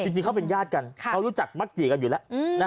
จริงเขาเป็นญาติกันเขารู้จักมักจีกันอยู่แล้ว